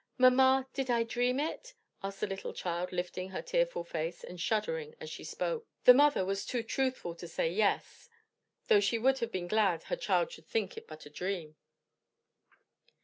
"Mamma, did I dream it?" asked the child lifting her tearful face, and shuddering as she spoke. The mother was too truthful to say yes, though she would have been glad her child should think it but a dream.